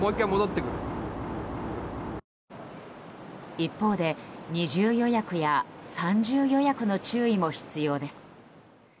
一方で二重予約や三重予約の注意も必要です。